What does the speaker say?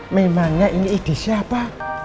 memangnya ini edisi apa